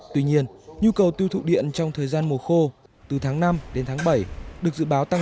tuy nhiên nhu cầu tiêu thụ điện trong thời gian mùa khô từ tháng năm đến tháng bảy được dự báo tăng